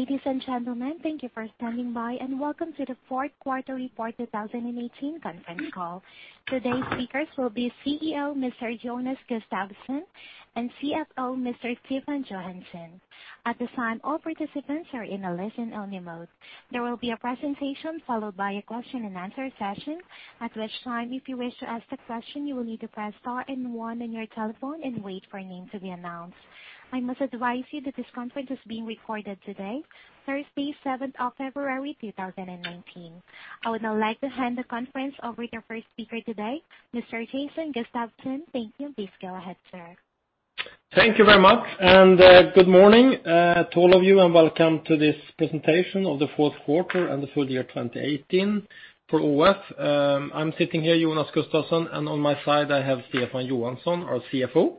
Ladies and gentlemen, thank you for standing by, and welcome to the fourth quarterly report 2018 conference call. Today's speakers will be CEO, Mr. Jonas Gustavsson, and CFO, Mr. Stefan Johansson. At this time, all participants are in a listen-only mode. There will be a presentation followed by a question and answer session, at which time, if you wish to ask the question, you will need to press star and one on your telephone and wait for your name to be announced. I must advise you that this conference is being recorded today, Thursday, 7th of February 2019. I would now like to hand the conference over to our first speaker today, Mr. Jonas Gustavsson. Thank you. Please go ahead, sir. Thank you very much. Good morning to all of you, and welcome to this presentation of the fourth quarter and the full year 2018 for ÅF. I am sitting here, Jonas Gustavsson, and on my side I have Stefan Johansson, our CFO.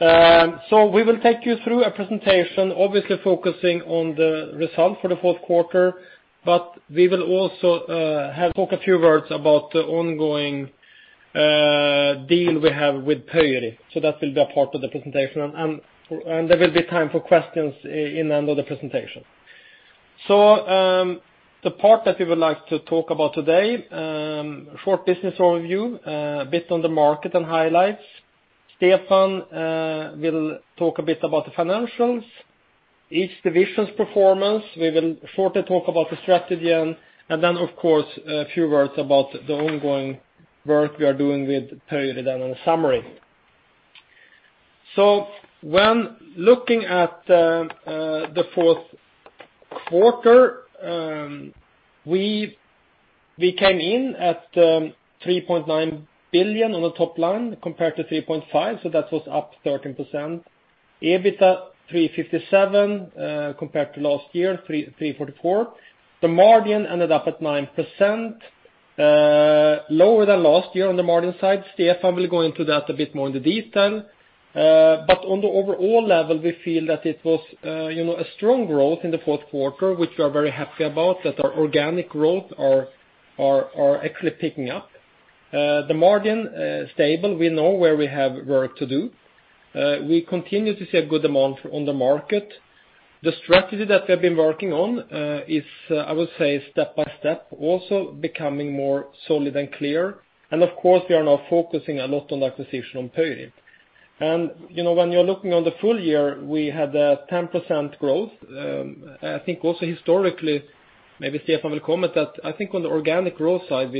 We will take you through a presentation, obviously focusing on the result for the fourth quarter, but we will also talk a few words about the ongoing deal we have with Pöyry. That will be a part of the presentation, and there will be time for questions in the end of the presentation. The part that we would like to talk about today, a short business overview, a bit on the market and highlights. Stefan will talk a bit about the financials, each division's performance. We will shortly talk about the strategy, and then, of course, a few words about the ongoing work we are doing with Pöyry, then on a summary. When looking at the fourth quarter, we came in at 3.9 billion on the top line compared to 3.5 billion, that was up 13%. EBITDA 357 million, compared to last year, 344 million. The margin ended up at 9%, lower than last year on the margin side. Stefan will go into that a bit more into detail. But on the overall level, we feel that it was a strong growth in the fourth quarter, which we are very happy about, that our organic growth are actually picking up. The margin is stable. We know where we have work to do. We continue to see a good demand on the market. The strategy that we've been working on is, I would say, step by step, also becoming more solid and clear. Of course, we are now focusing a lot on acquisition on Pöyry. When you are looking on the full year, we had a 10% growth. I think also historically, maybe Stefan will comment that, I think on the organic growth side,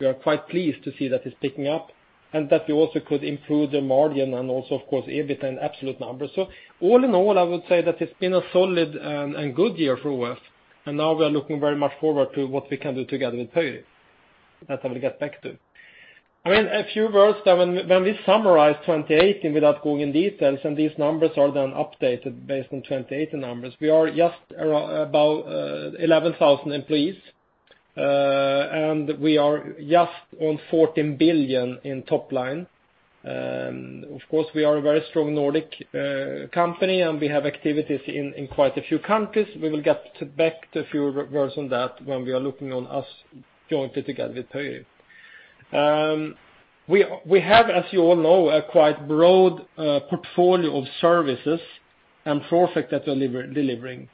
we are quite pleased to see that it's picking up, and that we also could improve the margin and also, of course, EBITDA in absolute numbers. All in all, I would say that it's been a solid and good year for us, and now we are looking very much forward to what we can do together with Pöyry. That I will get back to. A few words then, when we summarize 2018 without going in details, and these numbers are then updated based on 2018 numbers. We are just about 11,000 employees, we are just on 14 billion in top line. We are a very strong Nordic company, and we have activities in quite a few countries. We will get back to a few words on that when we are looking on us jointly together with Pöyry. We have, as you all know, a quite broad portfolio of services and projects that we're delivering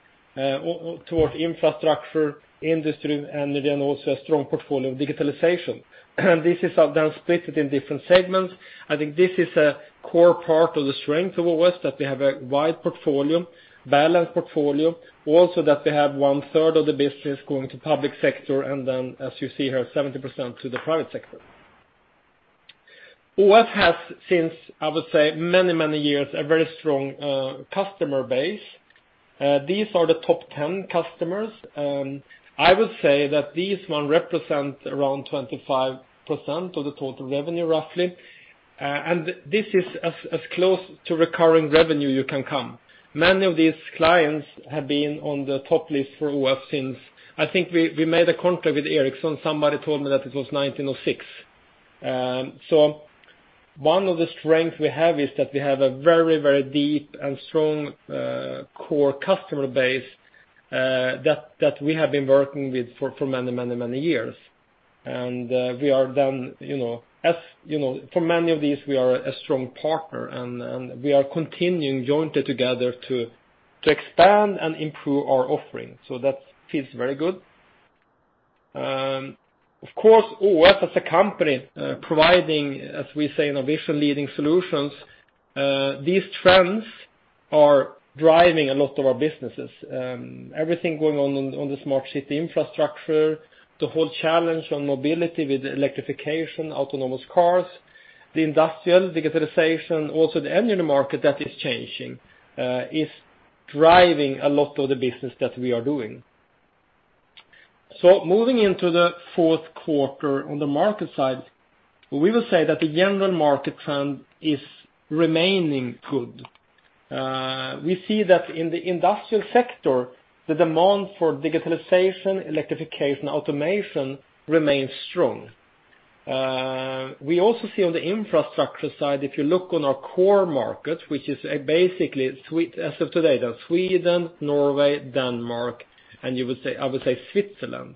towards infrastructure, industry, also a strong portfolio of digitalization. This is split in different segments. This is a core part of the strength of ÅF, that we have a wide portfolio, balanced portfolio, that we have one third of the business going to public sector, as you see here, 70% to the private sector. ÅF has, since many years, a very strong customer base. These are the top 10 customers. These represent around 25% of the total revenue, roughly. This is as close to recurring revenue you can come. Many of these clients have been on the top list for ÅF since, we made a contract with Ericsson, somebody told me that it was 1906. One of the strengths we have is that we have a very deep and strong core customer base, that we have been working with for many years. For many of these, we are a strong partner, and we are continuing jointly together to expand and improve our offering. That feels very good. ÅF as a company, providing, as we say, innovation leading solutions, these trends are driving a lot of our businesses. Everything going on the smart city infrastructure, the whole challenge on mobility with electrification, autonomous cars, the industrial digitalization. Also, the energy market that is changing is driving a lot of the business that we are doing. Moving into the fourth quarter on the market side, we will say that the general market trend is remaining good. We see that in the industrial sector, the demand for digitalization, electrification, automation remains strong. We also see on the infrastructure side, if you look on our core market, which is basically as of today, Sweden, Norway, Denmark, and Switzerland.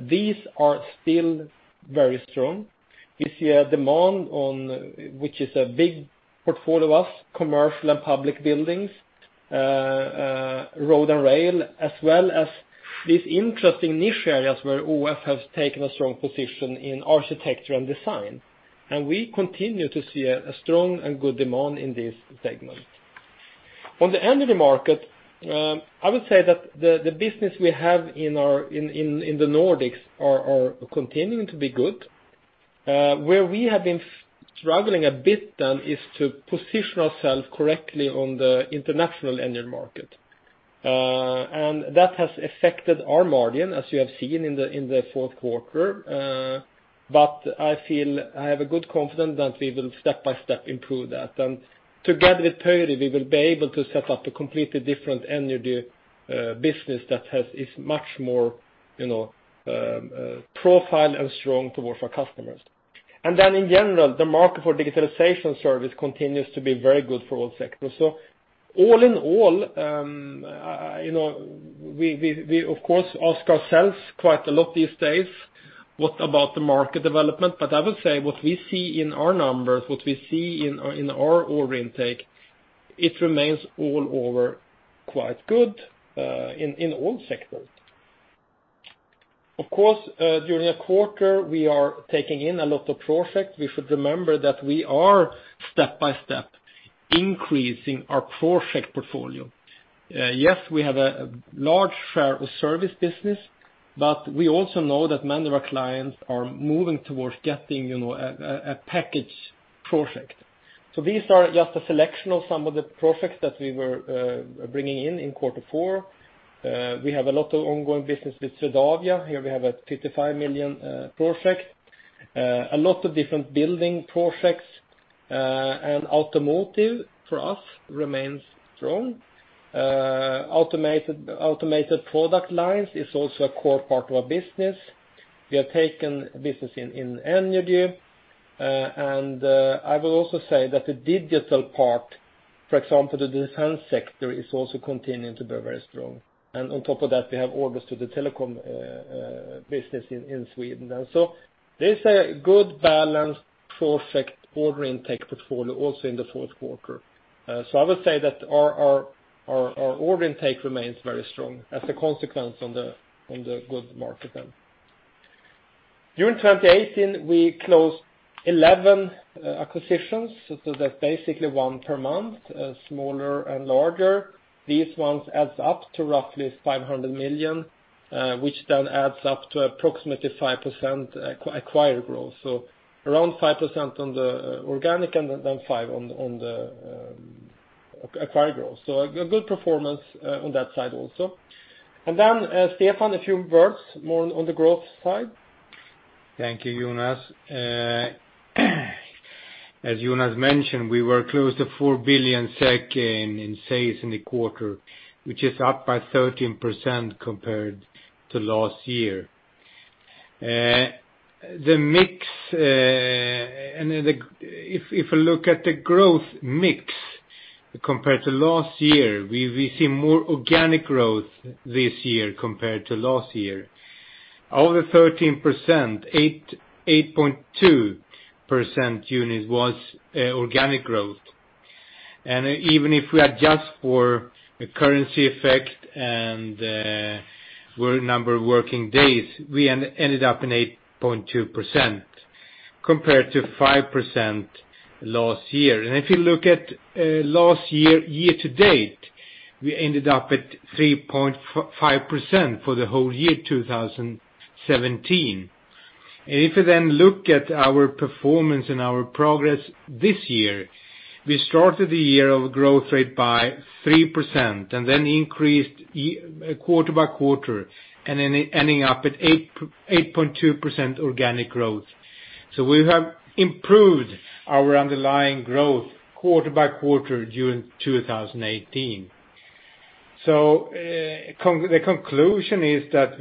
These are still very strong. We see a demand on, which is a big portfolio of commercial and public buildings, road and rail, as well as these interesting niche areas where ÅF has taken a strong position in architecture and design. We continue to see a strong and good demand in this segment. On the energy market, the business we have in the Nordics is continuing to be good. Where we have been struggling a bit is to position ourselves correctly on the international energy market. That has affected our margin as you have seen in the fourth quarter. I feel I have a good confidence that we will step by step improve that. Together with Pöyry, we will be able to set up a completely different energy business that is much more profile and strong towards our customers. In general, the market for digitalization service continues to be very good for all sectors. All in all, we ask ourselves quite a lot these days, what about the market development? I would say what we see in our numbers, what we see in our order intake, it remains all over quite good in all sectors. Of course, during a quarter, we are taking in a lot of projects. We should remember that we are step by step increasing our project portfolio. Yes, we have a large share of service business, but we also know that many of our clients are moving towards getting a package project. These are just a selection of some of the projects that we were bringing in quarter four. We have a lot of ongoing business with Swedavia. Here we have a 35 million project. A lot of different building projects, and automotive for us remains strong. Automated product lines is also a core part of our business. We have taken business in energy, I will also say that the digital part, for example, the defense sector, is also continuing to be very strong. On top of that, we have orders to the telecom business in Sweden. There's a good balanced project order intake portfolio also in the fourth quarter. I would say that our order intake remains very strong as a consequence on the good market then. During 2018, we closed 11 acquisitions, that's basically one per month, smaller and larger. These ones adds up to roughly 500 million, which then adds up to approximately 5% acquired growth. So around 5% on the organic, and then 5% on the acquired growth. A good performance on that side also. Stefan, a few words more on the growth side. Thank you, Jonas. As Jonas mentioned, we were close to 4 billion SEK in sales in the quarter, which is up by 13% compared to last year. If you look at the growth mix compared to last year, we see more organic growth this year compared to last year. Over 13%, 8.2% units was organic growth. Even if we adjust for the currency effect and the number of working days, we ended up in 8.2% compared to 5% last year. If you look at last year-to-date, we ended up at 3.5% for the whole year 2017. If you then look at our performance and our progress this year, we started the year of growth rate by 3% and then increased quarter-by-quarter and then ending up at 8.2% organic growth. We have improved our underlying growth quarter-by-quarter during 2018. The conclusion is that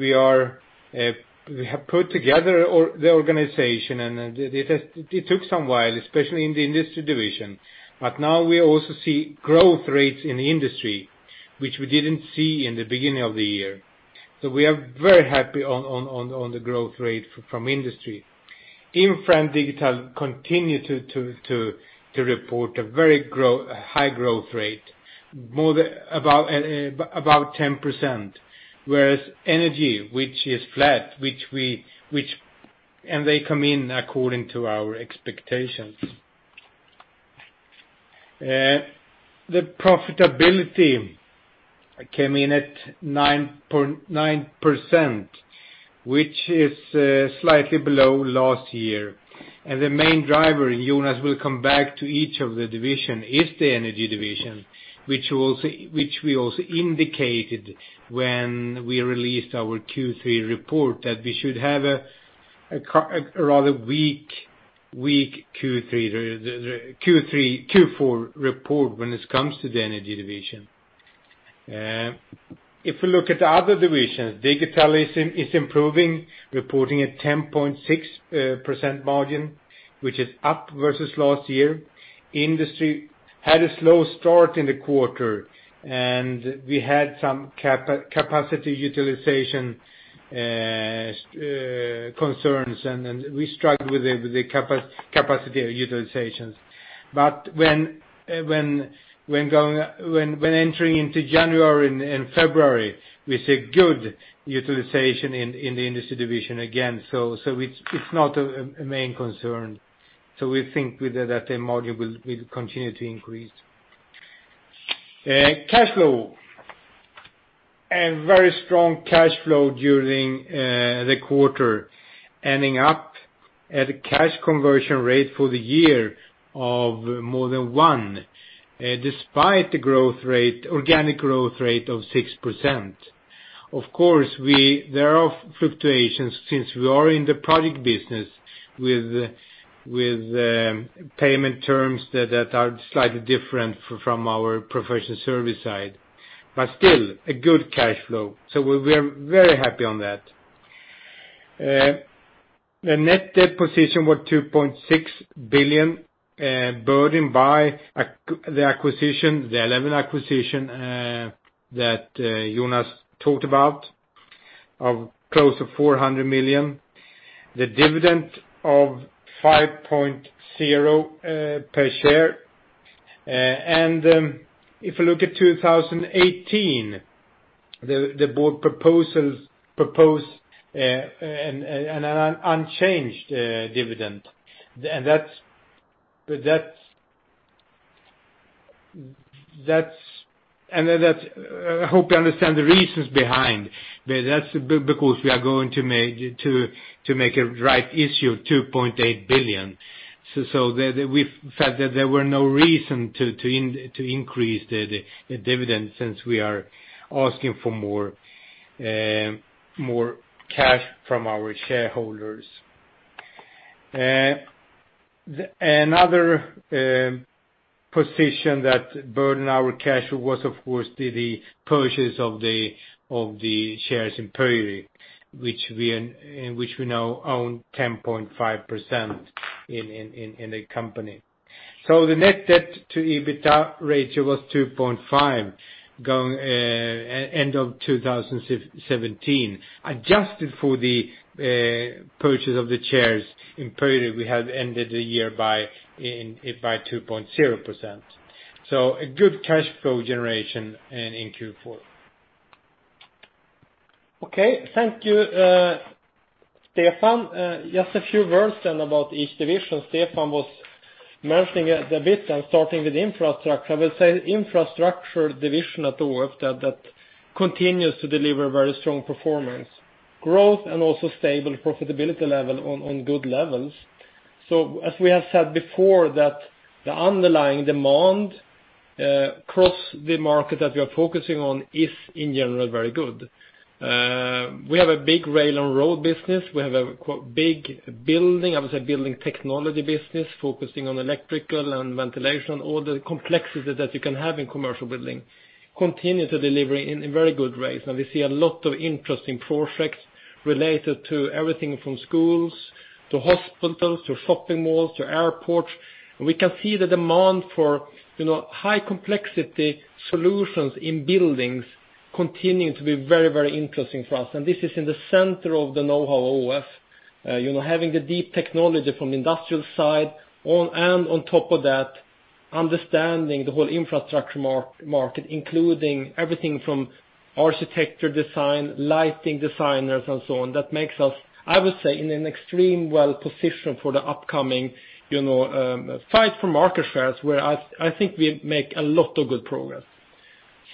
we have put together the organization, it took some while, especially in the industry division. Now we also see growth rates in the industry, which we didn't see in the beginning of the year. We are very happy on the growth rate from industry. In front, digital continue to report a very high growth rate, about 10%, whereas energy, which is flat, they come in according to our expectations. The profitability came in at 9%, which is slightly below last year. The main driver, Jonas will come back to each of the division, is the energy division, which we also indicated when we released our Q3 report that we should have a rather weak Q4 report when it comes to the energy division. If you look at the other divisions, digitalization is improving, reporting a 10.6% margin, which is up versus last year. Industry had a slow start in the quarter, and we had some capacity utilization concerns, and we struggled with the capacity utilizations. But when entering into January and February, we see good utilization in the industry division again. It is not a main concern. We think that the margin will continue to increase. Cash flow. Very strong cash flow during the quarter, ending up at a cash conversion rate for the year of more than [1%], despite the organic growth rate of 6%. Of course, there are fluctuations since we are in the product business with payment terms that are slightly different from our professional service side. Still, a good cash flow. We are very happy on that. The net debt position was 2.6 billion, burdened by the acquisition, the 11 acquisition that Jonas talked about, of close to 400 million. The dividend of 5.0 per share. If you look at 2018, the board proposed an unchanged dividend. I hope you understand the reasons behind. That is because we are going to make a right issue of 2.8 billion. We felt that there were no reason to increase the dividend since we are asking for more cash from our shareholders. Another position that burdened our cash was, of course, the purchase of the shares in Pöyry, which we now own 10.5% in the company. The net debt to EBITDA ratio was 2.5 end of 2017. Adjusted for the purchase of the shares in Pöyry, we have ended the year by 2.0%. A good cash flow generation in Q4. Okay. Thank you, Stefan. Just a few words about each division Stefan was mentioning a bit and starting with infrastructure. I would say infrastructure division at ÅF that continues to deliver very strong performance, growth, and also stable profitability level on good levels. As we have said before that the underlying demand across the market that we are focusing on is, in general, very good. We have a big rail and road business. We have a big building, I would say building technology business, focusing on electrical and ventilation, all the complexities that you can have in commercial building, continue to deliver in very good rates. We see a lot of interesting projects related to everything from schools to hospitals to shopping malls to airports. We can see the demand for high complexity solutions in buildings continuing to be very, very interesting for us. This is in the center of the know-how of ÅF, having the deep technology from the industrial side and on top of that, understanding the whole infrastructure market, including everything from architecture design, lighting designers, and so on. That makes us, I would say, in an extreme well position for the upcoming fight for market shares, where I think we make a lot of good progress.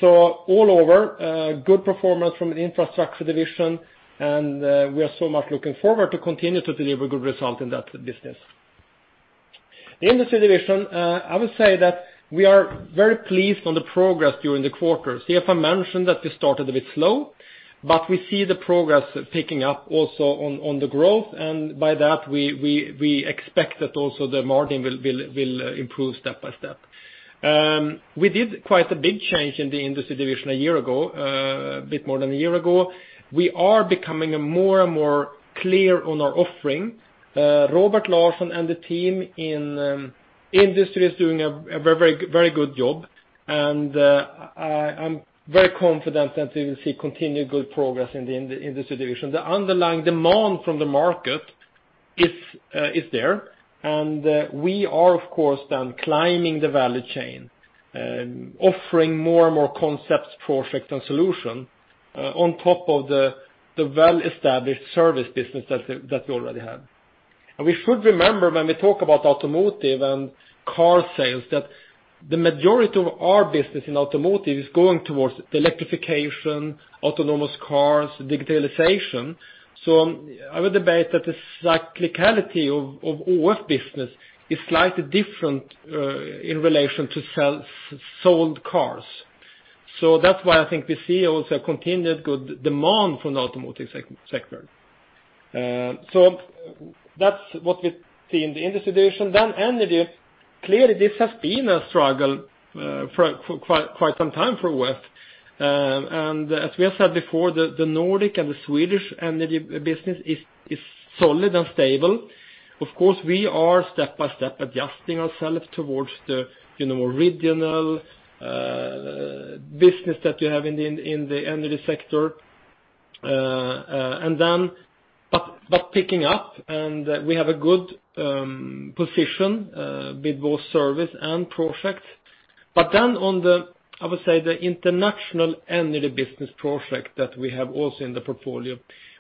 All over, good performance from the infrastructure division, and we are so much looking forward to continue to deliver good result in that business. The industry division, I would say that we are very pleased on the progress during the quarter. Stefan mentioned that we started a bit slow, we see the progress picking up also on the growth, and by that, we expect that also the margin will improve step by step. We did quite a big change in the industry division a year ago, a bit more than a year ago. We are becoming more and more clear on our offering. Robert Larsson and the team in industry is doing a very good job. I'm very confident that we will see continued good progress in the industry division. The underlying demand from the market is there, and we are, of course, then climbing the value chain, offering more and more concepts, projects, and solution on top of the well-established service business that we already have. We should remember when we talk about automotive and car sales, that the majority of our business in automotive is going towards electrification, autonomous cars, digitalization. I would debate that the cyclicality of ÅF business is slightly different in relation to sold cars. That's why I think we see also a continued good demand from the automotive sector. That's what we see in the industry division. Energy, clearly this has been a struggle for quite some time for ÅF. As we have said before, the Nordic and the Swedish energy business is solid and stable. Of course, we are step by step adjusting ourselves towards the original business that we have in the energy sector. Picking up, and we have a good position with both service and projects. Then on the, I would say, the international energy business project that we have also in the portfolio,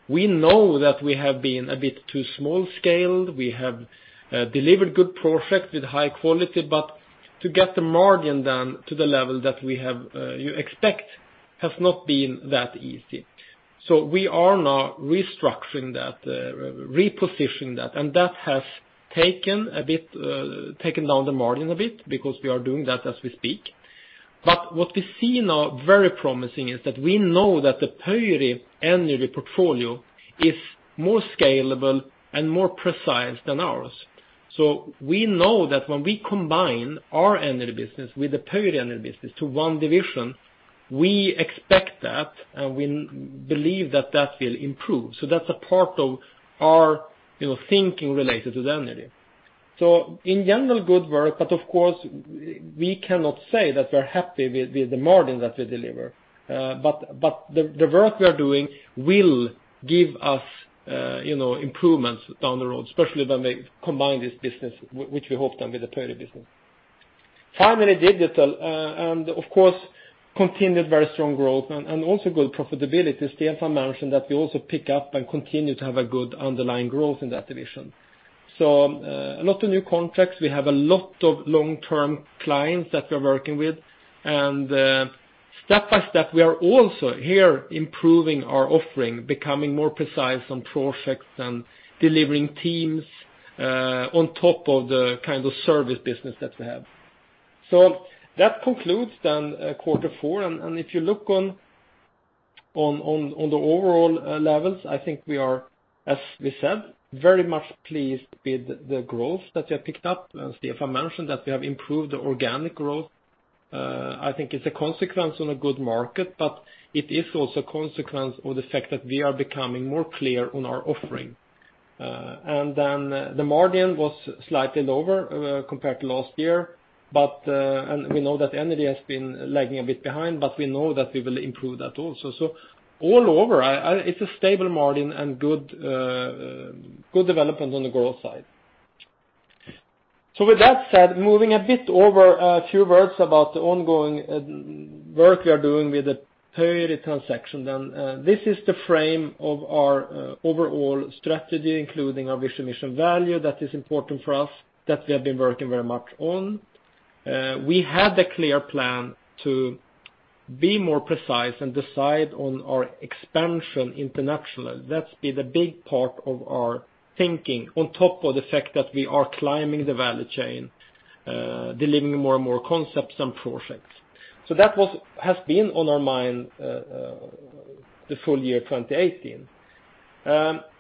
we know that we have been a bit too small scale. We have delivered good projects with high quality, but to get the margin then to the level that you expect has not been that easy. We are now restructuring that, repositioning that, and that has taken down the margin a bit because we are doing that as we speak. What we see now very promising is that we know that the Pöyry energy portfolio is more scalable and more precise than ours. We know that when we combine our energy business with the Pöyry energy business to one division, we expect that, and we believe that that will improve. That's a part of our thinking related to the energy. In general, good work, but of course, we cannot say that we're happy with the margin that we deliver. The work we are doing will give us improvements down the road, especially when we combine this business, which we hope then with the Pöyry business. Family Digital, of course, continued very strong growth and also good profitability. Stefan mentioned that we also pick up and continue to have a good underlying growth in that division. A lot of new contracts. We have a lot of long-term clients that we're working with, and step by step, we are also here improving our offering, becoming more precise on projects and delivering teams, on top of the kind of service business that we have. That concludes then quarter four, and if you look on the overall levels, I think we are, as we said, very much pleased with the growth that we have picked up. As Stefan mentioned, that we have improved the organic growth. I think it's a consequence on a good market, but it is also a consequence of the fact that we are becoming more clear on our offering. The margin was slightly lower compared to last year, and we know that energy has been lagging a bit behind, but we know that we will improve that also. All over, it's a stable margin and good development on the growth side. With that said, moving a bit over a few words about the ongoing work we are doing with the Pöyry transaction then. This is the frame of our overall strategy, including our vision, mission, value that is important for us, that we have been working very much on. We had a clear plan to be more precise and decide on our expansion internationally. That's been the big part of our thinking, on top of the fact that we are climbing the value chain, delivering more and more concepts and projects. That has been on our mind the full year 2018.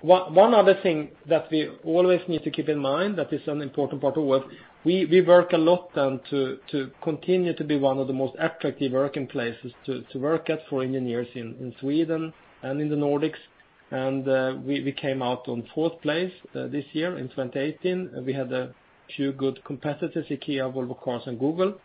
One other thing that we always need to keep in mind that is an important part of work, we work a lot then to continue to be one of the most attractive working places to work at for engineers in Sweden and in the Nordics. We came out on fourth place this year in 2018. We had a few good competitors, IKEA, Volvo Cars, and Google.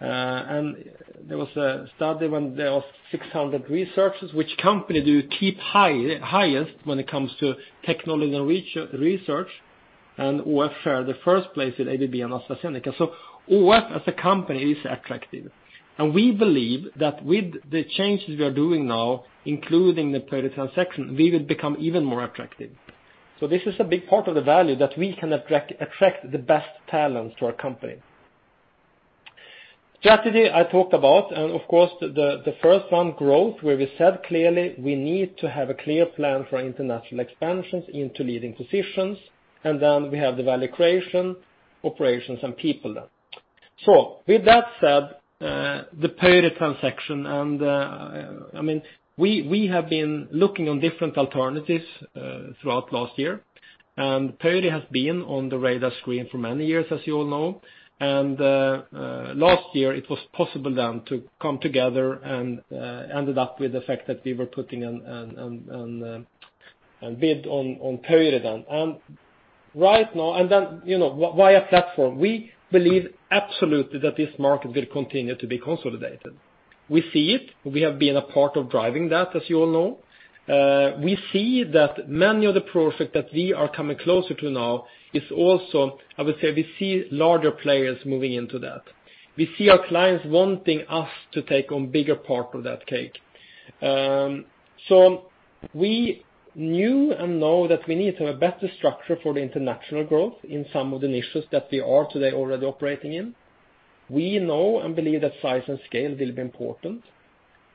There was a study when there was 600 researchers, which company do you keep highest when it comes to technology research? ÅF had the first place with ABB and AstraZeneca. ÅF as a company is attractive, and we believe that with the changes we are doing now, including the Pöyry transaction, we will become even more attractive. This is a big part of the value that we can attract the best talent to our company. Strategy I talked about, of course the first one, growth, where we said clearly we need to have a clear plan for international expansions into leading positions, and then we have the value creation, operations, and people then. With that said, the Pöyry transaction, we have been looking on different alternatives throughout last year, and Pöyry has been on the radar screen for many years, as you all know. Last year it was possible then to come together and ended up with the fact that we were putting a bid on Pöyry then. Why a platform? We believe absolutely that this market will continue to be consolidated. We see it. We have been a part of driving that, as you all know. We see that many of the projects that we are coming closer to now is also, I would say, we see larger players moving into that. We see our clients wanting us to take on bigger part of that cake. We knew and know that we need to have a better structure for the international growth in some of the niches that we are today already operating in. We know and believe that size and scale will be important.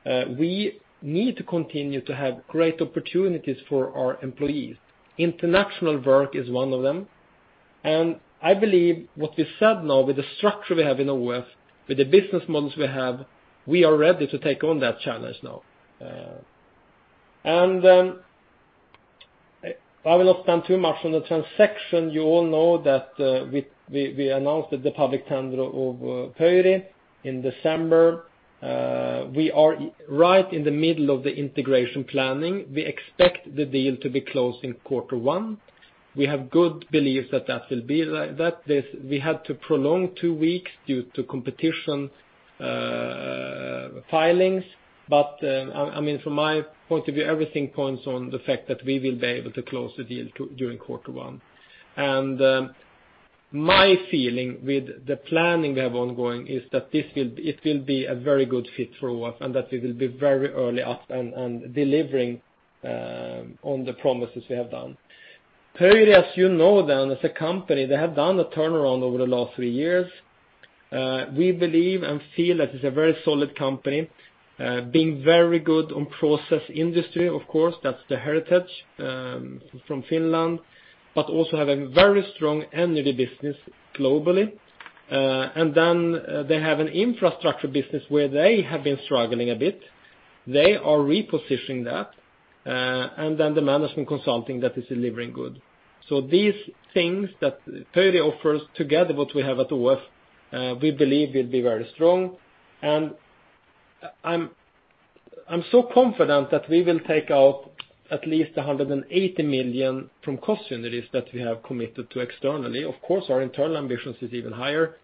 We need to continue to have great opportunities for our employees. International work is one of them, and I believe what we said now with the structure we have in ÅF, with the business models we have, we are ready to take on that challenge now. I will not spend too much on the transaction. You all know that we announced the public tender of Pöyry in December. We are right in the middle of the integration planning. We expect the deal to be closed in quarter one. We have good beliefs that that will be like that. We had to prolong two weeks due to competition filings. From my point of view, everything points on the fact that we will be able to close the deal during quarter one. My feeling with the planning we have ongoing is that it will be a very good fit for us, and that we will be very early up and delivering on the promises we have done. Pöyry, as you know them as a company, they have done a turnaround over the last three years. We believe and feel that it is a very solid company, being very good on process industry. Of course, that is the heritage from Finland, but also have a very strong energy business globally. They have an infrastructure business where they have been struggling a bit. They are repositioning that, and then the management consulting that is delivering good. These things that Pöyry offers together, what we have at ÅF, we believe will be very strong. I am so confident that we will take out at least 180 million from cost synergies that we have committed to externally. Of course, our internal ambitions is even higher.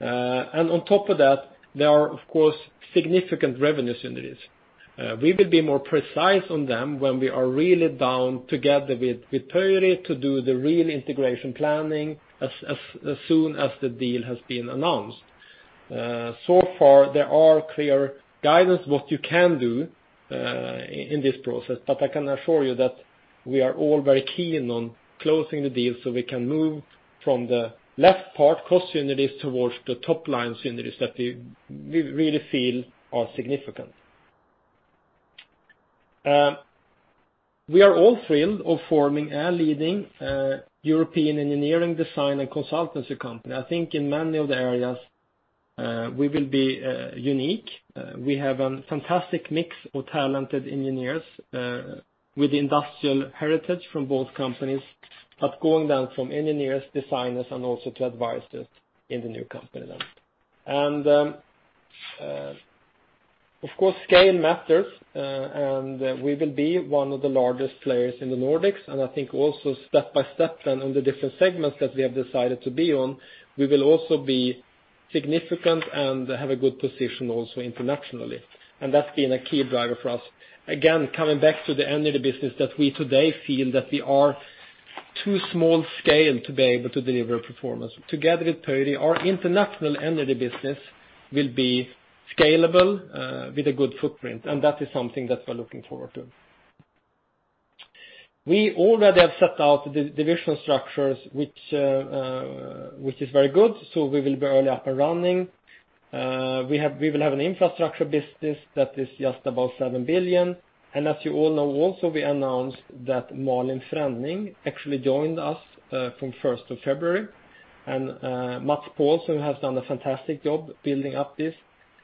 On top of that, there are, of course, significant revenue synergies. We will be more precise on them when we are really down together with Pöyry to do the real integration planning as soon as the deal has been announced. Far, there are clear guidance what you can do in this process, but I can assure you that we are all very keen on closing the deal so we can move from the left part, cost synergies, towards the top line synergies that we really feel are significant. We are all thrilled of forming a leading European engineering design and consultancy company. I think in many of the areas, we will be unique. We have a fantastic mix of talented engineers with industrial heritage from both companies, but going down from engineers, designers, and also to advisors in the new company then. Of course, scale matters, and we will be one of the largest players in the Nordics. I think also step by step then on the different segments that we have decided to be on, we will also be significant and have a good position also internationally. That has been a key driver for us. Again, coming back to the energy business that we today feel that we are too small scale to be able to deliver a performance. Together with Pöyry, our international energy business will be scalable with a good footprint, and that is something that we are looking forward to. We already have set out divisional structures, which is very good. We will be early up and running. We will have an infrastructure business that is just about 7 billion. As you all know also, we announced that Malin Frenning actually joined us from 1st of February. Mats Påhlsson, who has done a fantastic job building up this,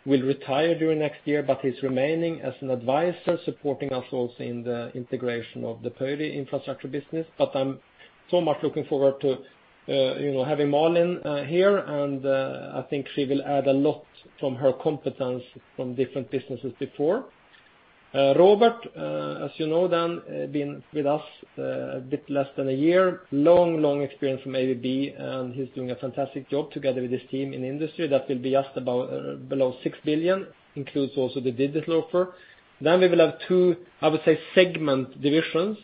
will retire during next year, but he is remaining as an advisor, supporting us also in the integration of the Pöyry infrastructure business. I am so much looking forward to having Malin here, and I think she will add a lot from her competence from different businesses before. Robert, as you know then, been with us a bit less than a year. Long, long experience from ABB, and he is doing a fantastic job together with his team in industry. That will be just below 6 billion, includes also the digital offer. We will have two, I would say, segment divisions.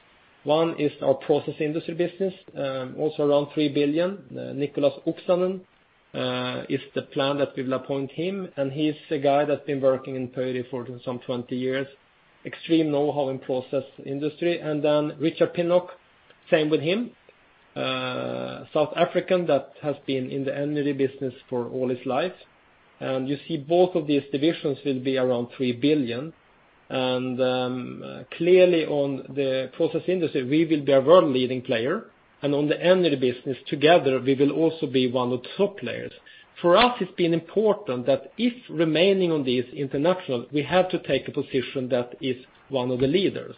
One is our process industry business, also around 3 billion. Nicholas Oksanen is the plan that we will appoint him, and he is a guy that has been working in Pöyry for some 20 years. Extreme know-how in process industry. Richard Pinnock, same with him. South African that has been in the energy business for all his life. You see both of these divisions will be around 3 billion. Clearly on the process industry, we will be a world leading player. On the energy business together, we will also be one of the top players. For us, it has been important that if remaining on this international, we have to take a position that is one of the leaders.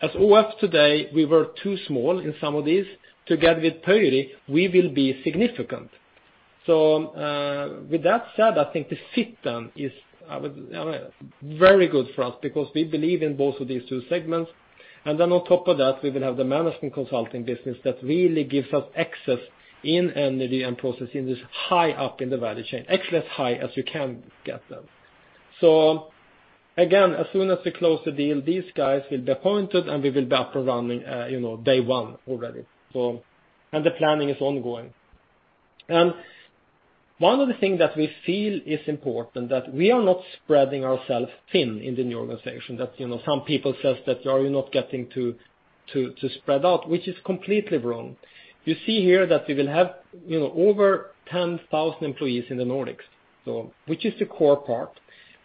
As ÅF today, we were too small in some of these. Together with Pöyry, we will be significant. With that said, I think the fit then is very good for us because we believe in both of these two segments. On top of that, we will have the management consulting business that really gives us access in energy and processing this high up in the value chain, actually as high as you can get them. Again, as soon as we close the deal, these guys will be appointed, and we will be up and running day one already. The planning is ongoing. One of the things that we feel is important that we are not spreading ourselves thin in the new organization, that some people says that, "Are you not getting too spread out?" Which is completely wrong. You see here that we will have over 10,000 employees in the Nordics, which is the core part.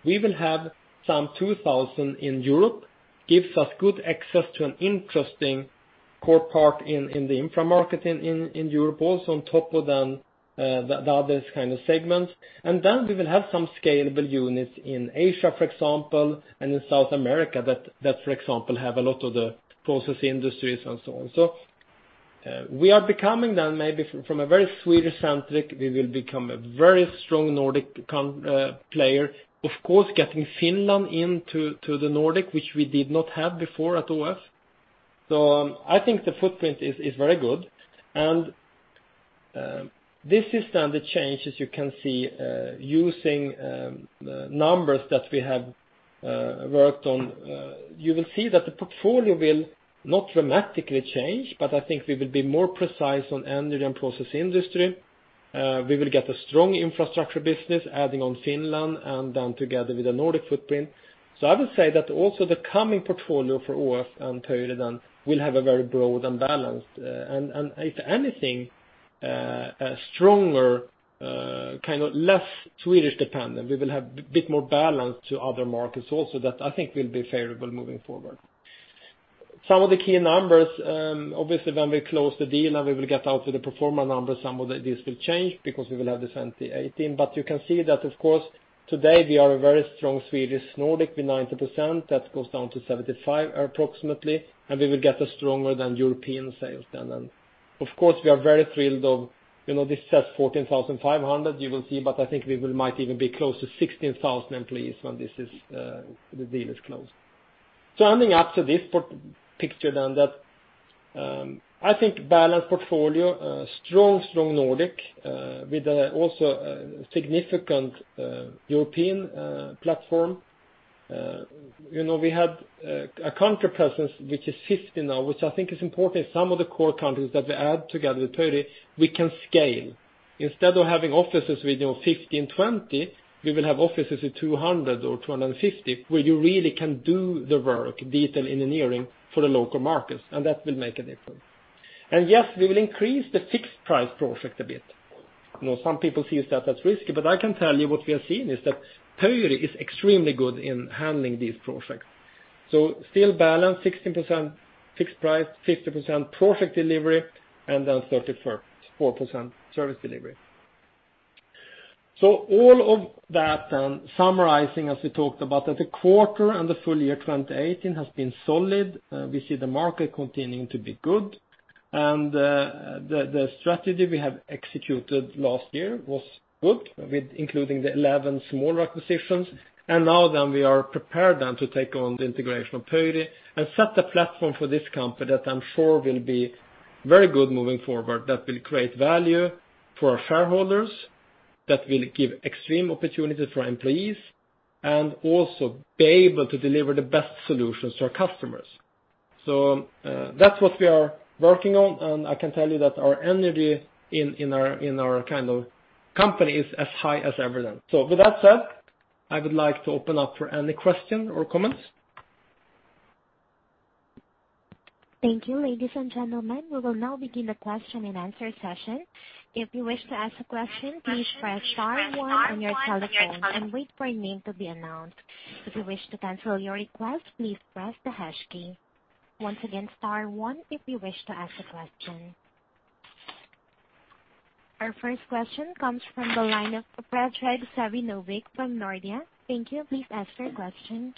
We will have some 2,000 in Europe, gives us good access to an interesting core part in the infra market in Europe, also on top of the other kind of segments. We will have some scalable units in Asia, for example, and in South America, that, for example, have a lot of the process industries and so on. We are becoming then maybe from a very Swedish-centric, we will become a very strong Nordic player. Of course, getting Finland into the Nordic, which we did not have before at ÅF. I think the footprint is very good. This is then the change, as you can see, using numbers that we have worked on. You will see that the portfolio will not dramatically change, but I think we will be more precise on energy and process industry. We will get a strong infrastructure business adding on Finland and together with a Nordic footprint. I would say that also the coming portfolio for ÅF and Pöyry then will have a very broad and balanced, and if anything, a stronger, less Swedish dependent. We will have bit more balance to other markets also that I think will be favorable moving forward. Some of the key numbers, obviously when we close the deal and we will get out to the pro forma numbers, some of these will change because we will have the 2018. You can see that, of course, today we are a very strong Swedish Nordic, with 90%, that goes down to 75% approximately, and we will get a stronger than European sales then. Of course, we are very thrilled of this says 14,500, you will see, I think we might even be close to 16,000 employees when the deal is closed. Rounding up to this picture then that I think balanced portfolio, strong Nordic, with also a significant European platform. We had a country presence which is 50 now, which I think is important. Some of the core countries that we add together with Pöyry, we can scale. Instead of having offices with 15, 20, we will have offices with 200 or 250, where you really can do the work, detail engineering for the local markets, and that will make a difference. Yes, we will increase the fixed price project a bit. Some people see that as risky, but I can tell you what we are seeing is that Pöyry is extremely good in handling these projects. Still balanced 16% fixed price, 50% project delivery, and then 34% service delivery. All of that then summarizing, as we talked about, that the quarter and the full year 2018 has been solid. We see the market continuing to be good. The strategy we have executed last year was good, including the 11 small acquisitions. Now then we are prepared then to take on the integration of Pöyry, and set the platform for this company that I'm sure will be very good moving forward, that will create value for our shareholders, that will give extreme opportunities for our employees, and also be able to deliver the best solutions to our customers. That's what we are working on, and I can tell you that our energy in our company is as high as ever then. With that said, I would like to open up for any question or comments. Thank you, ladies and gentlemen. We will now begin the question and answer session. If you wish to ask a question, please press star one on your telephone and wait for your name to be announced. If you wish to cancel your request, please press the hash key. Once again, star one if you wish to ask a question. Our first question comes from the line of Predrag Savinovic from Nordea. Thank you. Please ask your question.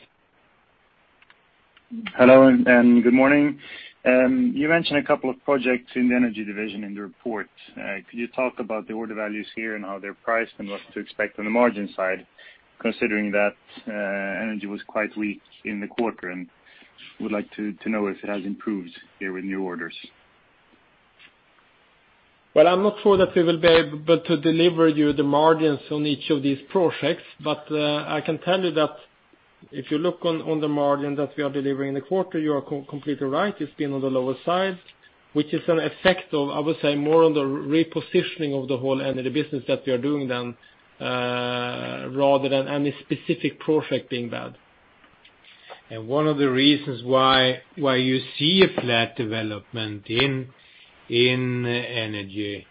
Hello, and good morning. You mentioned a couple of projects in the energy division in the report. Could you talk about the order values here and how they're priced and what to expect on the margin side, considering that energy was quite weak in the quarter and would like to know if it has improved here with new orders? I'm not sure that we will be able to deliver you the margins on each of these projects, but I can tell you that if you look on the margin that we are delivering in the quarter, you are completely right. It's been on the lower side, which is an effect of, I would say, more on the repositioning of the whole energy business that we are doing then rather than any specific project being bad. One of the reasons why you see a flat development in energy,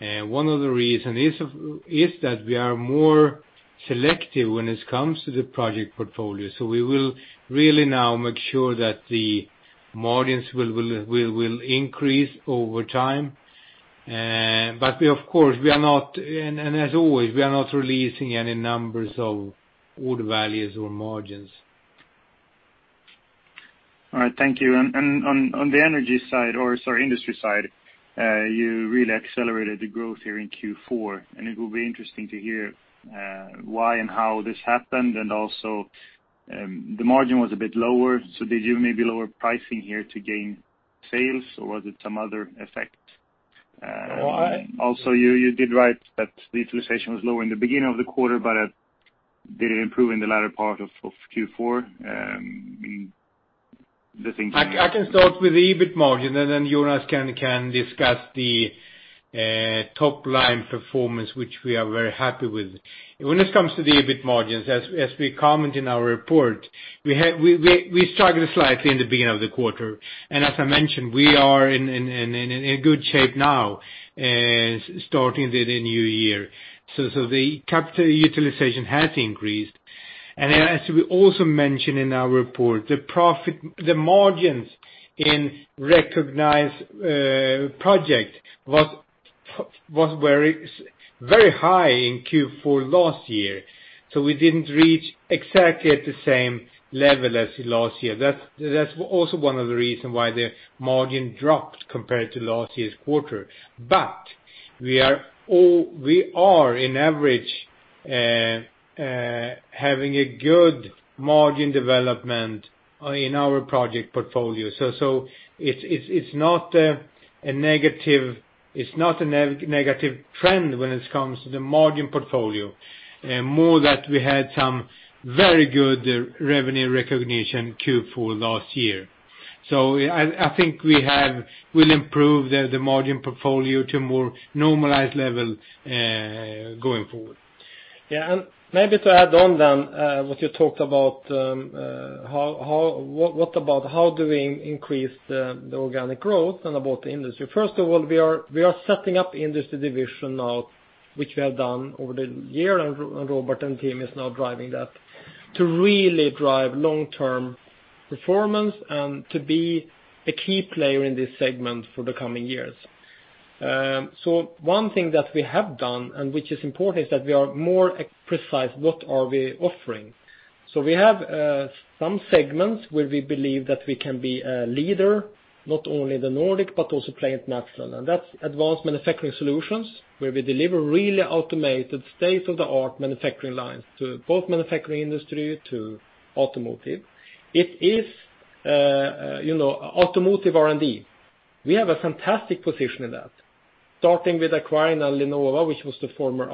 one of the reason is that we are more selective when it comes to the project portfolio. We will really now make sure that the margins will increase over time. Of course, and as always, we are not releasing any numbers of order values or margins. All right, thank you. On the energy side, or sorry, industry side, you really accelerated the growth here in Q4, it will be interesting to hear why and how this happened, also, the margin was a bit lower, did you maybe lower pricing here to gain sales, or was it some other effect? Also you did write that the utilization was lower in the beginning of the quarter but did it improve in the latter part of Q4? I can start with the EBIT margin. Jonas can discuss the top-line performance, which we are very happy with. When it comes to the EBIT margins, as we comment in our report, we struggled slightly in the beginning of the quarter. As I mentioned, we are in a good shape now as starting the new year. The capital utilization has increased. As we also mentioned in our report, the margins in recognized project was, was very high in Q4 last year. We didn't reach exactly at the same level as last year. That's also one of the reason why the margin dropped compared to last year's quarter. We are on average, having a good margin development in our project portfolio. It's not a negative trend when it comes to the margin portfolio. More that we had some very good revenue recognition Q4 last year. I think we'll improve the margin portfolio to more normalized level going forward. Maybe to add on then what you talked about, what about how do we increase the organic growth and about the industry? First of all, we are setting up industry division now, which we have done over the year. Robert and team is now driving that to really drive long-term performance and to be a key player in this segment for the coming years. One thing that we have done, and which is important, is that we are more precise what are we offering. We have some segments where we believe that we can be a leader, not only the Nordic, but also playing internationally. That's advanced manufacturing solutions where we deliver really automated state-of-the-art manufacturing lines to both manufacturing industry, to automotive. It is automotive R&D. We have a fantastic position in that, starting with acquiring LeanNova, which was the former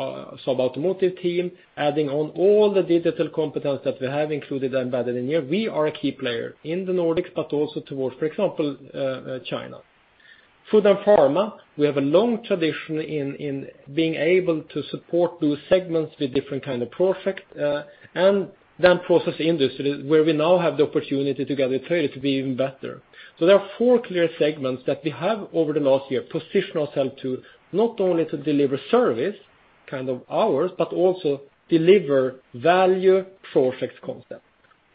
sub-automotive team, adding on all the digital competence that we have included and embedded in here. We are a key player in the Nordics, but also towards, for example, China. Food and pharma, we have a long tradition in being able to support those segments with different kind of project. Process industry, where we now have the opportunity to get it really to be even better. There are four clear segments that we have over the last year positioned ourself to not only to deliver service, kind of hours, but also deliver value project concept.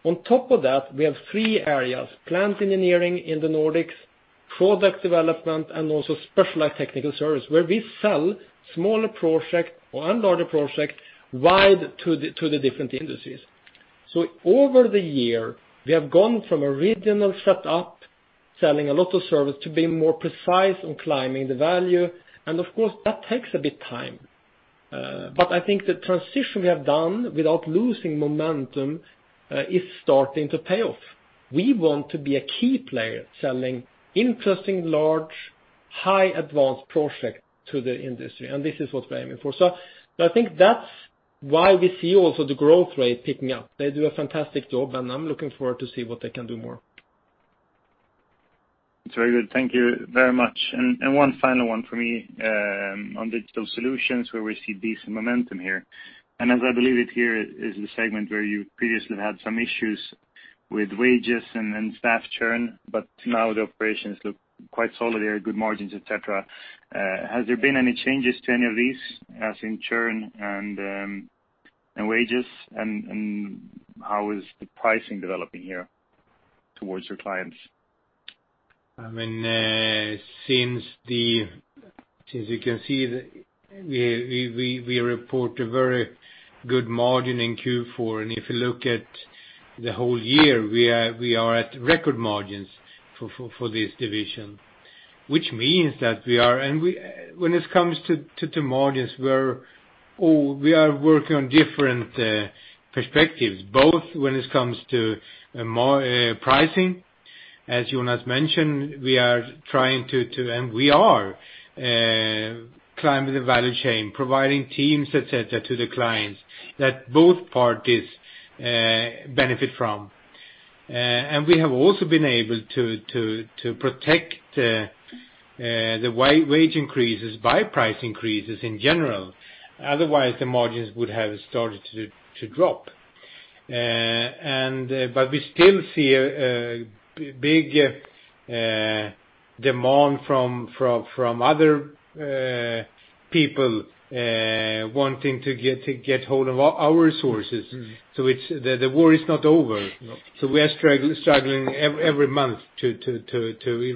On top of that, we have three areas, plant engineering in the Nordics, product development, and also specialized technical service, where we sell smaller project or larger project wide to the different industries. Over the year, we have gone from a regional setup, selling a lot of service to be more precise on climbing the value, and of course, that takes a bit time. I think the transition we have done without losing momentum is starting to pay off. We want to be a key player selling interesting large, high advanced project to the industry, and this is what we're aiming for. I think that's why we see also the growth rate picking up. They do a fantastic job, and I'm looking forward to see what they can do more. It's very good. Thank you very much. One final one for me, on digital solutions, where we see decent momentum here. As I believe it here is the segment where you previously had some issues with wages and staff churn, but now the operations look quite solid. There are good margins, et cetera. Has there been any changes to any of these as in churn and wages, and how is the pricing developing here towards your clients? Since you can see that we report a very good margin in Q4, and if you look at the whole year, we are at record margins for this division. Which means that we are, when it comes to margins, we are working on different perspectives, both when it comes to pricing, as Jonas mentioned, we are trying to, and we are climbing the value chain, providing teams, et cetera, to the clients that both parties benefit from. We have also been able to protect the wage increases by price increases in general. Otherwise, the margins would have started to drop. We still see a big demand from other people wanting to get hold of our resources. The war is not over, no. We are struggling every month to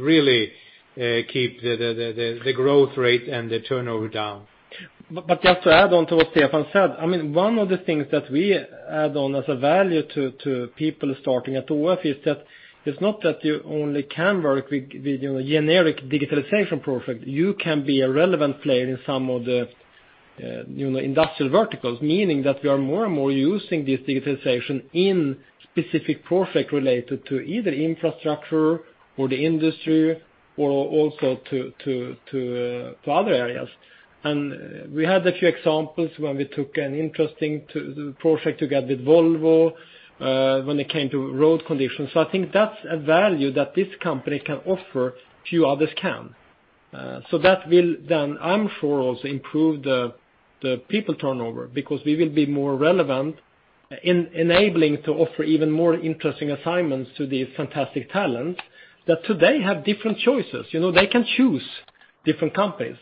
really keep the growth rate and the turnover down. Just to add on to what Stefan said, one of the things that we add on as a value to people starting at ÅF is that it's not that you only can work with generic digitalization project. You can be a relevant player in some of the industrial verticals, meaning that we are more and more using this digitalization in specific project related to either infrastructure or the industry or also to other areas. We had a few examples when we took an interesting project together with Volvo when it came to road conditions. I think that's a value that this company can offer, few others can. That will then, I'm sure, also improve the people turnover because we will be more relevant in enabling to offer even more interesting assignments to these fantastic talents that today have different choices. They can choose different companies.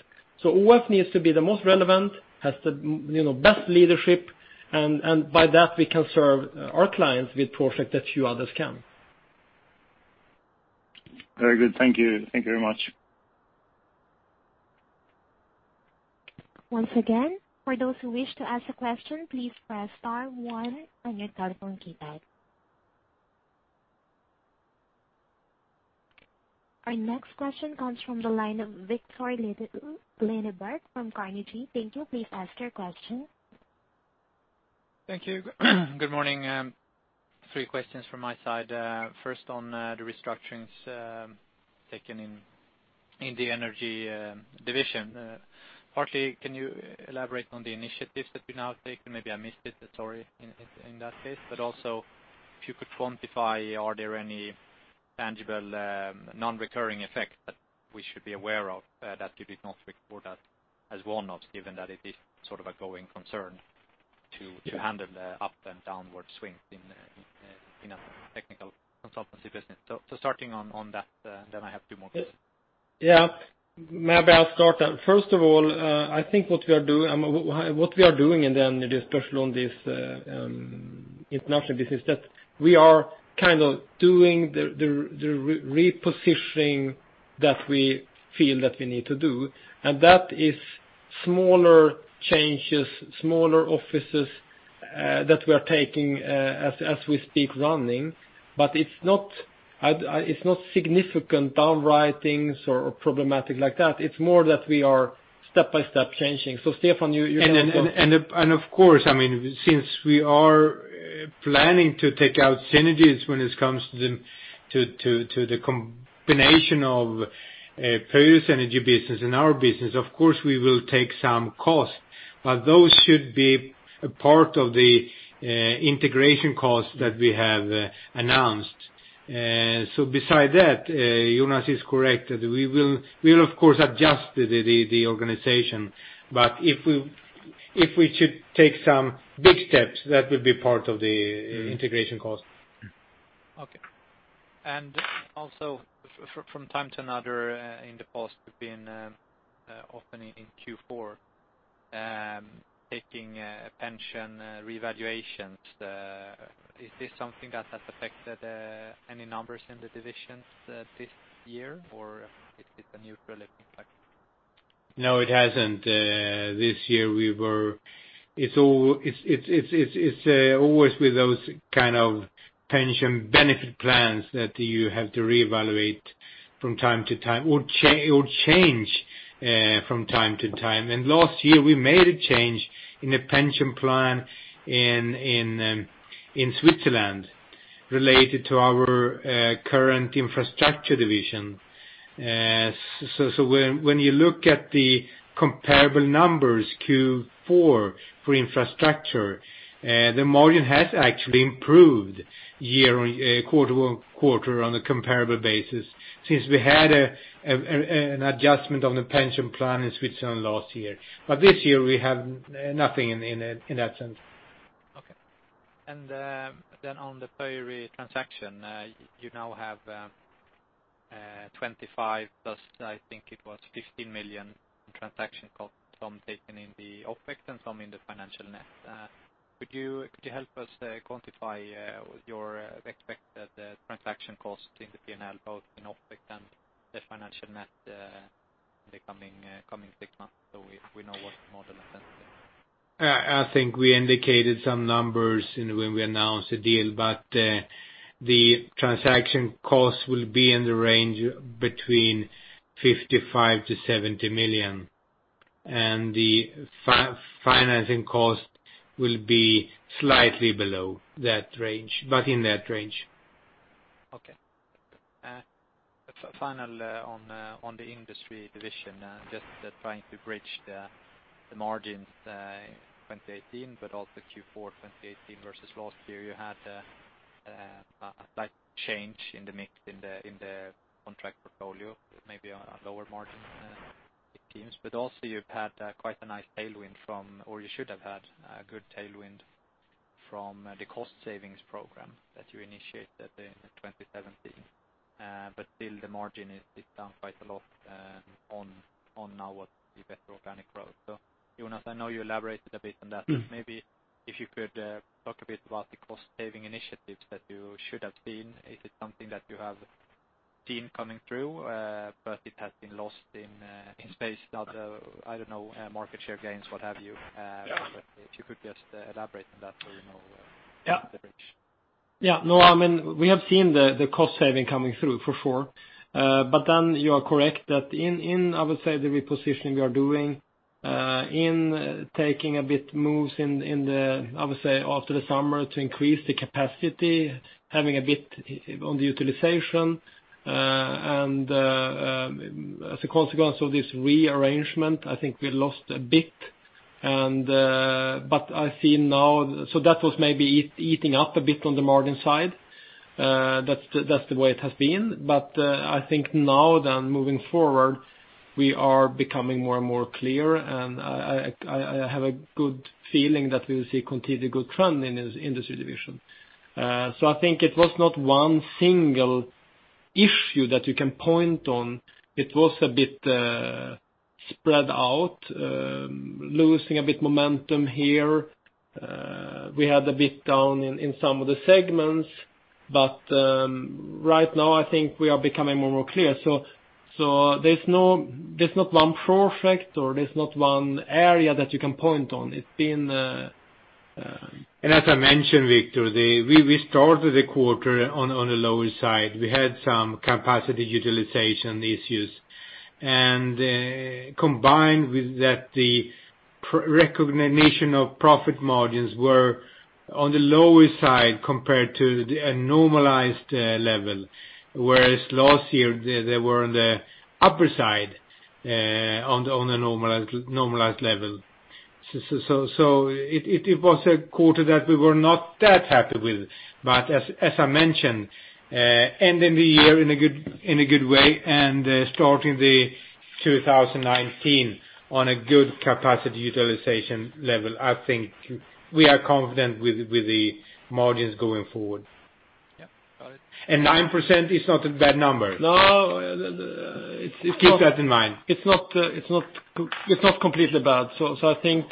ÅF needs to be the most relevant, has the best leadership, and by that, we can serve our clients with project that few others can. Very good. Thank you very much. Once again, for those who wish to ask a question, please press star one on your telephone keypad. Our next question comes from the line of Viktor Lindeberg from Carnegie. Thank you. Please ask your question. Thank you. Good morning. Three questions from my side. First, on the restructurings taken in the energy division. Partly, can you elaborate on the initiatives that you've now taken? Maybe I missed it, sorry, in that case. Also, if you could quantify, are there any tangible non-recurring effects that we should be aware of that you did not report as one-offs, given that it is sort of a growing concern to handle the up and downward swings in a technical consultancy business? Starting on that, then I have two more questions. Maybe I'll start. First of all, I think what we are doing, and then the discussion on this international business, that we are doing the repositioning that we feel that we need to do, and that is smaller changes, smaller offices that we are taking as we speak, running. It's not significant down writings or problematic like that. It's more that we are step by step changing. Stefan, you- Of course, since we are planning to take out synergies when it comes to the combination of Pöyry's energy business and our business, of course, we will take some cost. Those should be a part of the integration costs that we have announced. Beside that, Jonas is correct, that we will of course adjust the organization. If we should take some big steps, that will be part of the integration cost. Okay. Also from time to another in the past, we've been, often in Q4, taking pension revaluations. Is this something that has affected any numbers in the divisions this year, or is it a neutral impact? No, it hasn't. This year, it's always with those kind of pension benefit plans that you have to reevaluate from time to time or change from time to time. Last year, we made a change in the pension plan in Switzerland related to our current infrastructure division. When you look at the comparable numbers Q4 for infrastructure, the margin has actually improved quarter-on-quarter on a comparable basis since we had an adjustment on the pension plan in Switzerland last year. This year, we have nothing in that sense. Okay. Then on the Pöyry transaction, you now have [25 million] plus, I think it was 15 million in transaction costs from taken in the OpEx and some in the financial net. Could you help us quantify your expected transaction cost in the P&L, both in OpEx and the financial net in the coming six months so we know what model? I think we indicated some numbers when we announced the deal, the transaction cost will be in the range between 55 million-70 million, the financing cost will be slightly below that range, in that range. Okay. Final on the industry division, just trying to bridge the margins 2018 also Q4 2018 versus last year, you had a slight change in the mix in the contract portfolio, maybe on a lower margin terms. Also you've had quite a nice tailwind from, or you should have had a good tailwind from the cost savings program that you initiated in 2017. Still the margin is down quite a lot on now what the better organic growth. Jonas, I know you elaborated a bit on that. Maybe if you could talk a bit about the cost-saving initiatives that you should have seen. Is it something that you have seen coming through, it has been lost in space? The, I don't know, market share gains, what have you? Yeah. If you could just elaborate on that so we know? Yeah. No, we have seen the cost saving coming through for sure. You are correct that in, I would say the repositioning we are doing, in taking a bit moves in the, I would say after the summer to increase the capacity, having a bit on the utilization, and as a consequence of this rearrangement, I think we lost a bit. That was maybe eating up a bit on the margin side. That's the way it has been. I think now then moving forward, we are becoming more and more clear, and I have a good feeling that we will see continued good trend in this industry division. I think it was not one single issue that you can point on. It was a bit spread out, losing a bit momentum here. We had a bit down in some of the segments, right now I think we are becoming more and more clear. There's not one project or there's not one area that you can point on. As I mentioned, Viktor, we started the quarter on the lower side. We had some capacity utilization issues, and combined with that, the recognition of profit margins were on the lower side compared to a normalized level. Whereas last year they were on the upper side on a normalized level. It was a quarter that we were not that happy with, as I mentioned, ending the year in a good way and starting the 2019 on a good capacity utilization level. I think we are confident with the margins going forward. Got it. 9% is not a bad number. No. Keep that in mind. It's not completely bad. I think,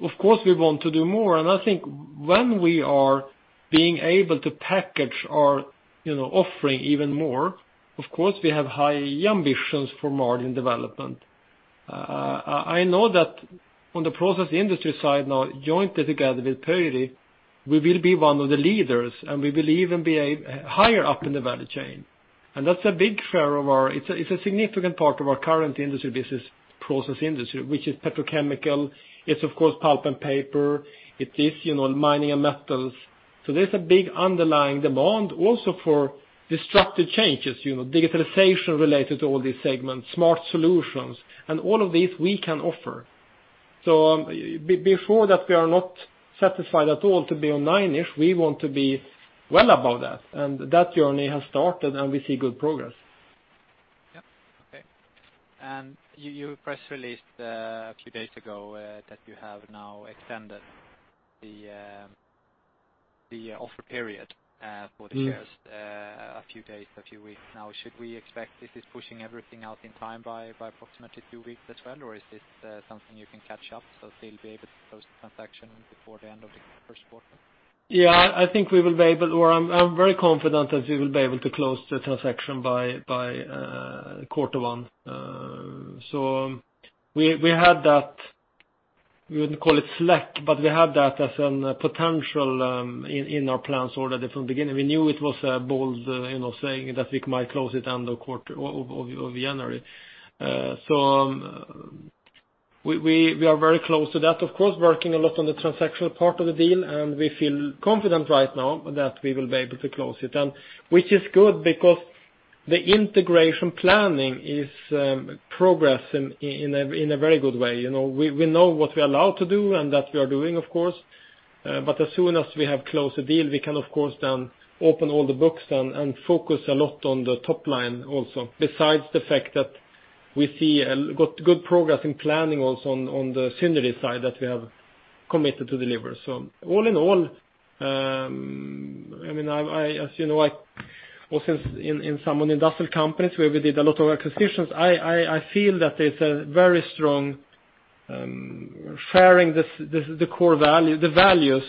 of course, we want to do more, and I think when we are being able to package our offering even more, of course, we have high ambitions for margin development. I know that on the process industry side now, jointly together with Pöyry, we will be one of the leaders, and we will even be higher up in the value chain. That's a big share of our, it's a significant part of our current industry business process industry, which is petrochemical. It's of course pulp and paper. It is mining and metals. There's a big underlying demand also for disruptive changes, digitalization related to all these segments, smart solutions, and all of these we can offer. Be sure that we are not satisfied at all to be on [9%-ish]. We want to be well above that. That journey has started, and we see good progress. Yeah. Okay. You press released a few days ago that you have now extended the offer period for the shares a few days, a few weeks now. Should we expect this is pushing everything out in time by approximately two weeks as well? Or is this something you can catch up, still be able to close the transaction before the end of the first quarter? I think we will be able, or I'm very confident that we will be able to close the transaction by quarter one. We had that, we wouldn't call it slack, but we had that as a potential in our plans already from beginning. We knew it was a bold saying that we might close it end of January. We are very close to that. Of course, working a lot on the transactional part of the deal, and we feel confident right now that we will be able to close it, which is good because the integration planning is progressing in a very good way. We know what we are allowed to do, and that we are doing, of course. As soon as we have closed the deal, we can of course then open all the books and focus a lot on the top line also, besides the fact that we see good progress in planning also on the synergy side that we have committed to deliver. All in all, as you know, I was in some industrial companies where we did a lot of acquisitions. I feel that there's a very strong sharing the core values, the values,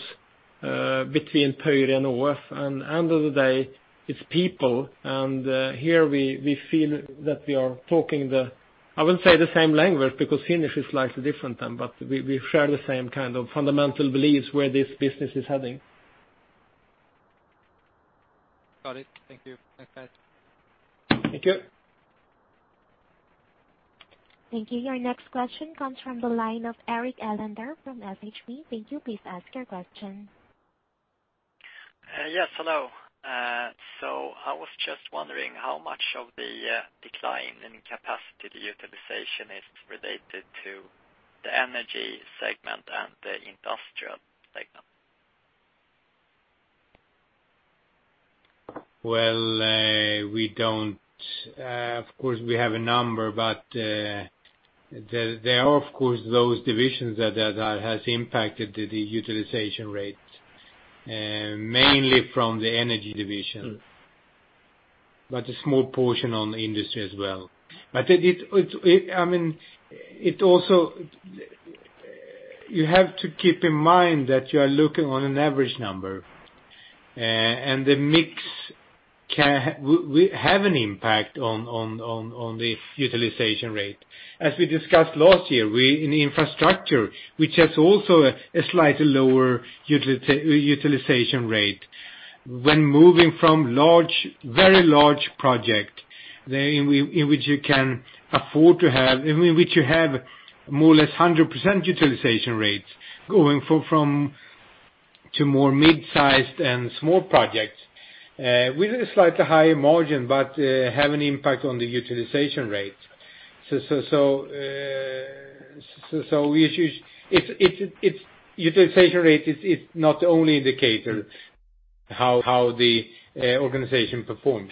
between Pöyry and ÅF. End of the day, it's people, and here we feel that we are talking the, I wouldn't say the same language because Finnish is slightly different, but we share the same kind of fundamental beliefs where this business is heading. Got it. Thank you. Thanks, guys. Thank you. Thank you. Your next question comes from the line of Erik from SHB. Thank you. Please ask your question. Yes, hello. I was just wondering how much of the decline in capacity utilization is related to the energy segment and the industrial segment? Well, of course, we have a number, but there are, of course, those divisions that has impacted the utilization rate, mainly from the energy division, but a small portion on the industry as well. You have to keep in mind that you are looking on an average number, and the mix will have an impact on the utilization rate. As we discussed last year, in infrastructure, which has also a slightly lower utilization rate when moving from very large project in which you have more or less 100% utilization rates going to more mid-sized and small projects with a slightly higher margin but have an impact on the utilization rate. Utilization rate is not the only indicator how the organization performs.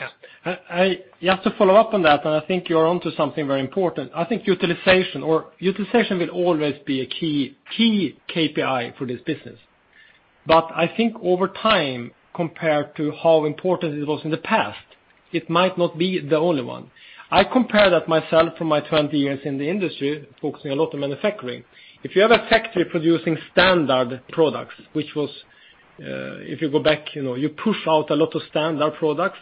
Just to follow up on that, I think you're onto something very important. I think utilization will always be a key KPI for this business. I think over time, compared to how important it was in the past, it might not be the only one. I compare that myself from my 20 years in the industry, focusing a lot on manufacturing. If you have a factory producing standard products, which was, if you go back, you push out a lot of standard products,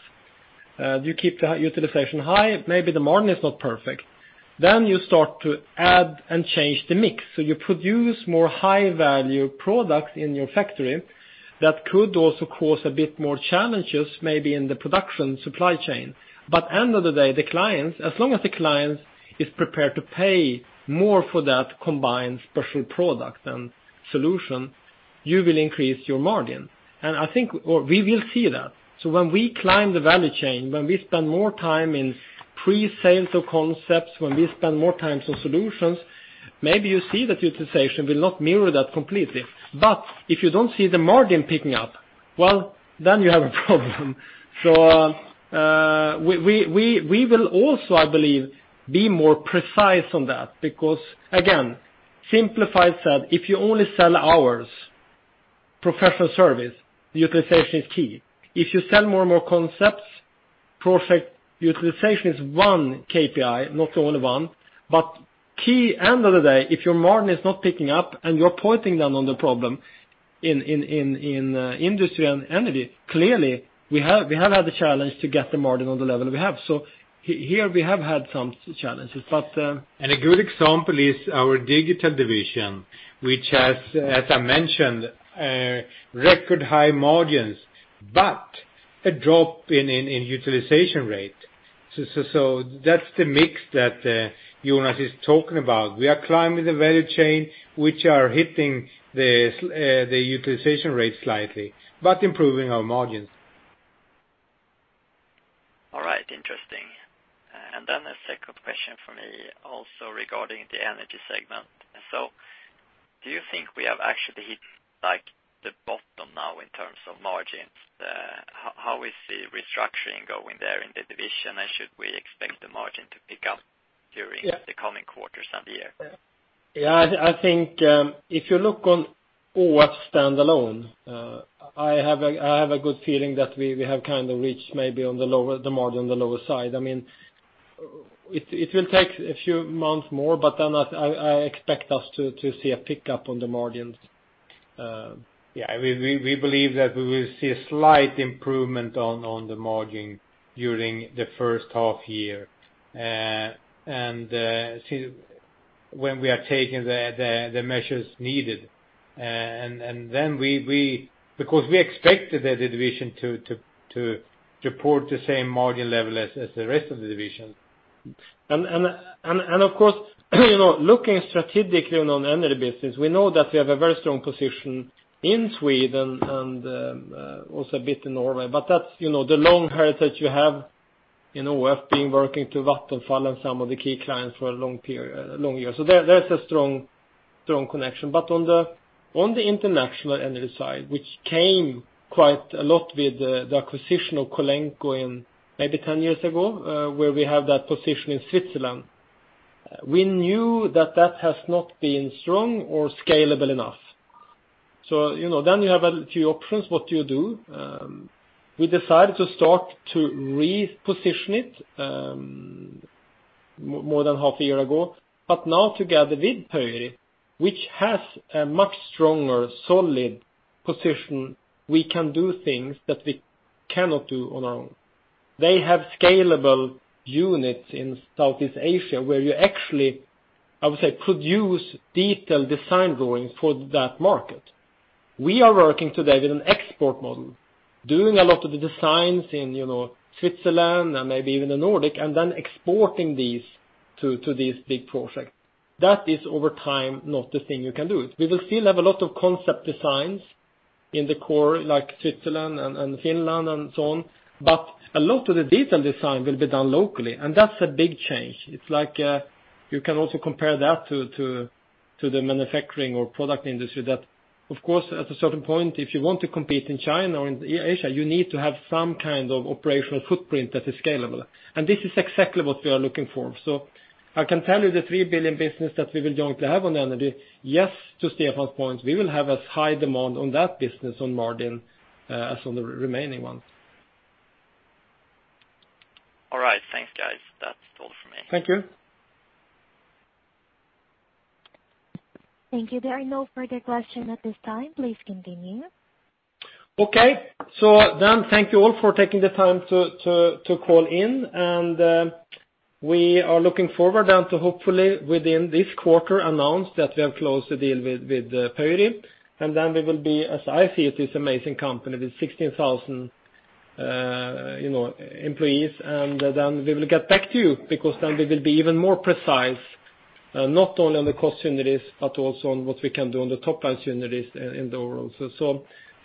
you keep the utilization high, maybe the margin is not perfect. You start to add and change the mix, so you produce more high-value products in your factory. That could also cause a bit more challenges, maybe in the production supply chain. End of the day, as long as the client is prepared to pay more for that combined special product and solution, you will increase your margin. I think we will see that. When we climb the value chain, when we spend more time in pre-sales or concepts, when we spend more time on solutions, maybe you see the utilization will not mirror that completely. If you don't see the margin picking up, well, then you have a problem. We will also, I believe, be more precise on that because again, simplified said, if you only sell hours, professional service, utilization is key. If you sell more and more concepts, project utilization is one KPI, not the only one, but key end of the day, if your margin is not picking up and you're pointing down on the problem in industry and energy, clearly we have had the challenge to get the margin on the level we have. Here we have had some challenges. A good example is our digital division, which has, as I mentioned, record high margins, but a drop in utilization rate. That's the mix that Jonas is talking about. We are climbing the value chain, which are hitting the utilization rate slightly, but improving our margins. All right. Interesting. Then a second question from me, also regarding the energy segment. Do you think we have actually hit the bottom now in terms of margins? How is the restructuring going there in the division, and should we expect the margin to pick up during the coming quarters and the year? I think, if you look on ÅF standalone, I have a good feeling that we have reached maybe on the margin, the lower side. It will take a few months more, but then I expect us to see a pickup on the margins. We believe that we will see a slight improvement on the margin during the first half year, and see when we are taking the measures needed. We expected the division to report the same margin level as the rest of the division. Of course, looking strategically on energy business, we know that we have a very strong position in Sweden and also a bit in Norway, but that's the long heritage you have in ÅF being working to Vattenfall and some of the key clients for a long years. There's a strong connection. On the international energy side, which came quite a lot with the acquisition of Colenco maybe 10 years ago, where we have that position in Switzerland, we knew that that has not been strong or scalable enough. You have a few options, what do you do? We decided to start to reposition it more than half a year ago. Now together with Pöyry, which has a much stronger, solid position, we can do things that we cannot do on our own. They have scalable units in Southeast Asia, where you actually, I would say, produce detailed design drawings for that market. We are working today with an export model, doing a lot of the designs in Switzerland and maybe even the Nordic, and then exporting these to these big projects. That is over time, not the thing you can do. We will still have a lot of concept designs in the core, like Switzerland and Finland and so on, but a lot of the detailed design will be done locally, and that's a big change. It's like you can also compare that to the manufacturing or product industry that, of course, at a certain point, if you want to compete in China or in Asia, you need to have some kind of operational footprint that is scalable. This is exactly what we are looking for. I can tell you the 3 billion business that we will jointly have on energy, yes, to Stefan's point, we will have as high demand on that business on margin as on the remaining ones. All right. Thanks, guys. That's all from me. Thank you. Thank you. There are no further questions at this time. Please continue. Okay. Thank you all for taking the time to call in, and we are looking forward then to hopefully within this quarter announce that we have closed the deal with Pöyry. We will be, as I see it, this amazing company with 16,000 employees. We will get back to you because then we will be even more precise, not only on the cost synergies but also on what we can do on the top line synergies in the overall.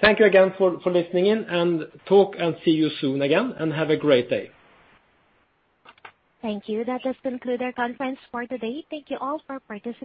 Thank you again for listening in and talk and see you soon again, and have a great day. Thank you. That does conclude our conference for today. Thank you all for participating.